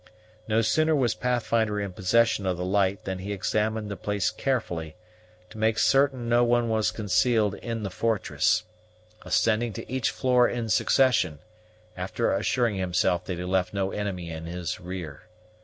No sooner was Pathfinder in possession of the light than he examined the place carefully, to make certain no one was concealed in the fortress, ascending to each floor in succession, after assuring himself that he left no enemy in his rear.